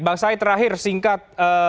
bang syai terakhir singkat